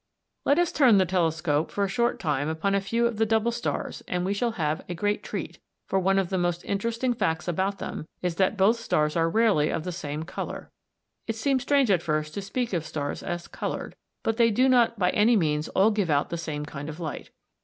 ] Let us turn the telescope for a short time upon a few of the double stars and we shall have a great treat, for one of the most interesting facts about them is that both stars are rarely of the same colour. It seems strange at first to speak of stars as coloured, but they do not by any means all give out the same kind of light.